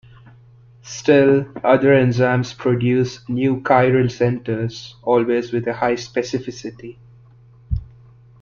Still other enzymes produce new chiral centers, always with a high specificity.